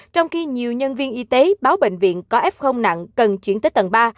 trong khi nhiều nhân viên y tế báo bệnh viện có f nặng cần chuyển tới tầng ba